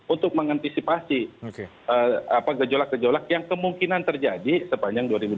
untuk mengantisipasi gejolak gejolak yang kemungkinan terjadi sepanjang dua ribu dua puluh